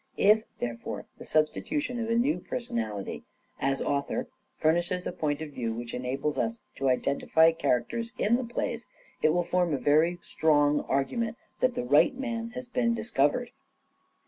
If, therefore, the substitution of a new personality, as author, furnishes a point of view which enables us to identify characters in the plays, it will form a very strong argument that the right man has been dis covered.